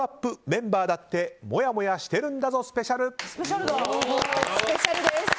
メンバーだってもやもやしてるんだぞスペシャル。